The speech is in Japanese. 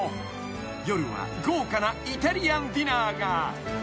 ［夜は豪華なイタリアンディナーが］